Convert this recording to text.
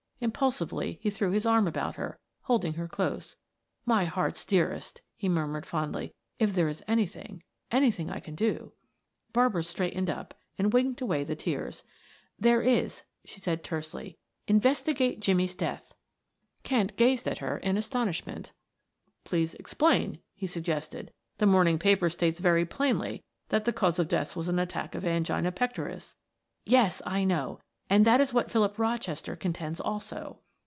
Impulsively he threw his arm about her, holding her close. "My heart's dearest," he murmured fondly. "If there is anything anything I can do " Barbara straightened up and winked away the tears. "There is," she said tersely. "Investigate Jimmie's death." Kent gazed at her in astonishment. "Please explain," he suggested. "The morning paper states very plainly that the cause of death was an attack of angina pectoris." "Yes, I know, and that is what Philip Rochester contends also."